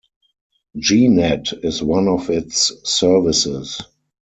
G-Net is one of its services.